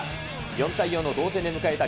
４対４の同点で迎えた